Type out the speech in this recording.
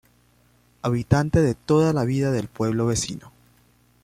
Habitante de toda la vida del pueblo vecino.